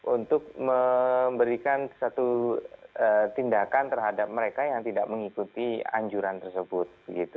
untuk memberikan satu tindakan terhadap mereka yang tidak mengikuti anjuran tersebut